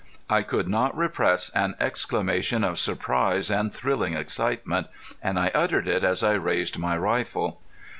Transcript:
I could not repress an exclamation of surprise and thrilling excitement, and I uttered it as I raised my rifle.